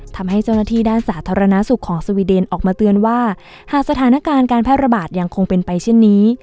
ทำให้เจ้าหน้าที่ด้านสาธารณสุขของสวีเดนออกมาเตือนว่าหากสถานการณ์การแพร่ระบาดยังคงเป็นไปเช่นนี้